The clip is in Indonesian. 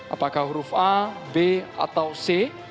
apakah huruf a b atau c